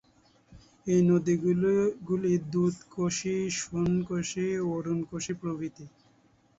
এই নদী গুলি দুধ কোশী, সোন কোশী, অরুন কোশী, প্রভৃতি।